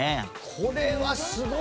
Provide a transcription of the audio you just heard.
これはすごいな！